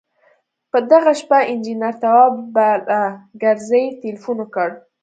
په دغه شپه انجنیر تواب بالاکرزی تیلفون وکړ.